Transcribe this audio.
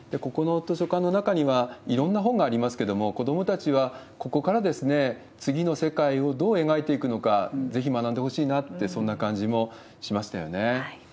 ここの図書館の中には、いろんな本がありますけれども、子どもたちはここから次の世界をどう描いていくのか、ぜひ学んでほしいなって、そんな感じもしましたよね。